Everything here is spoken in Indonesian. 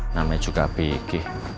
namanya juga bg